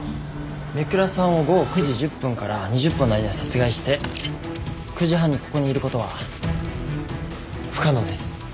三倉さんを午後９時１０分から２０分の間に殺害して９時半にここにいる事は不可能です。